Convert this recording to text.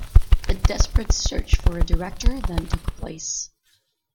The desperate search for a director then took place.